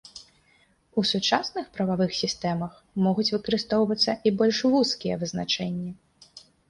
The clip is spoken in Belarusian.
У сучасных прававых сістэмах могуць выкарыстоўвацца і больш вузкія вызначэнні.